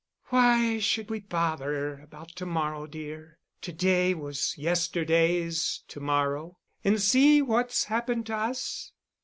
"Why should we bother about to morrow, dear? To day was yesterday's to morrow and see what's happened to us."